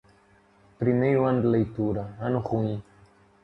Primeiro ano de leitura, ano ruim.